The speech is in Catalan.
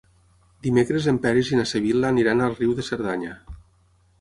Dimecres en Peris i na Sibil·la aniran a Riu de Cerdanya.